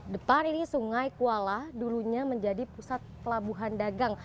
depan ini sungai kuala dulunya menjadi pusat pelabuhan dagang